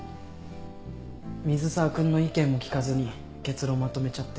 水沢君の意見も聞かずに結論まとめちゃって。